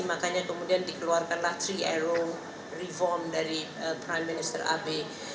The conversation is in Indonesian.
makanya kemudian dikeluarkanlah three arrow reform dari prime minister abe